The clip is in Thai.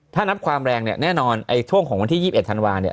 ถ้านับความแรงเนี่ยแน่นอนไอ้ช่วงของวันที่๒๑ธันวาเนี่ย